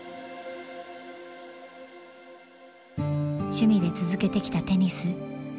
趣味で続けてきたテニス。